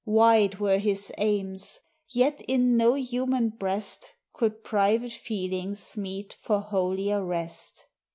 Wide were his aims, yet in no human breast Could private feelings meet for holier rest.